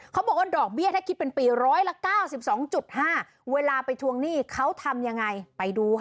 เขาบอกว่าดอกเบี้ยถ้าคิดเป็นปีร้อยละ๙๒๕เวลาไปทวงหนี้เขาทำยังไงไปดูค่ะ